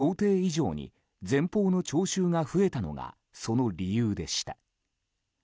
想定以上に前方の聴衆が増えたのがその理由でした。